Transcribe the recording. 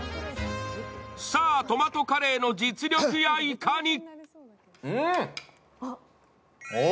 さあ、トマトカレーの実力やいかに？